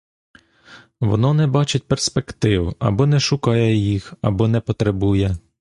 Воно не бачить перспектив, або не шукає їх, або не потребує.